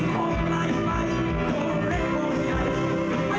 ขอบพระศักดิ์ค่ะ